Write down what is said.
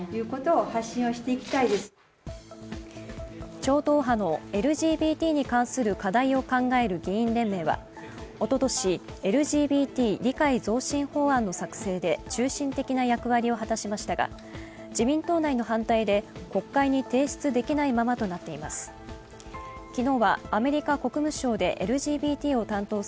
超党派のＬＧＢＴに関する課題を考える議員連盟はおととしＬＧＢＴ理解増進法案のの作成で中心的な役割を果たしましたが自民党内の反対で国会に提出できないままとなっています。